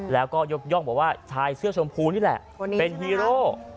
แล้วก็ยกย่องบอกว่าชายเสื้อชมพูนี่แหละเป็นฮีโร่